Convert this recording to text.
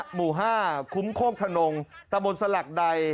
หมู่ห้าคุ้มโครกถนนตะมนต์สระแด่